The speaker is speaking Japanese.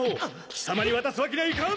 貴様に渡すわけにはいかん！